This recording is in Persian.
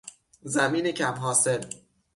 زمین کم حاصل